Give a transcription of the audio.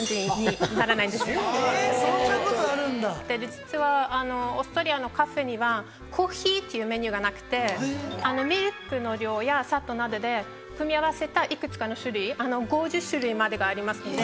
実はオーストリアのカフェにはコーヒーというメニューがなくてミルクの量や砂糖などで組み合わせたいくつかの種類５０種類までがありますので。